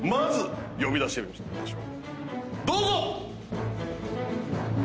どうぞ！